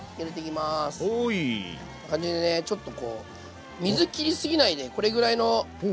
こんな感じでねちょっとこう水切り過ぎないでこれぐらいの感じで。